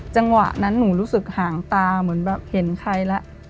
จังหวะนั้นหนูรู้สึกห่างตาเหมือนแบบเห็นใครแล้ว